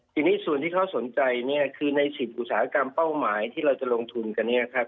ทีนี้ส่วนที่เขาสนใจเนี่ยคือใน๑๐อุตสาหกรรมเป้าหมายที่เราจะลงทุนกันเนี่ยครับ